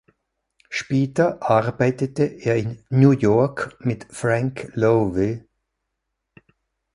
Später arbeitete er in New York mit Frank Lowe.